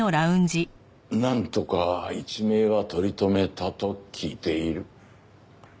なんとか一命は取り留めたと聞いている。